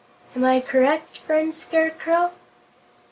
Am I correct, friend Scarecrow?"